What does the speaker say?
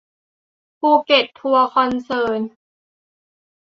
ภูเก็ตทัวร์คอนเซิร์น